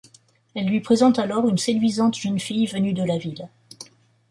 Elle lui présente alors une séduisante jeune fille venue de la ville.